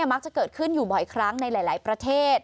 มักจะเกิดขึ้นอยู่บ่อยครั้งในหลายประเทศ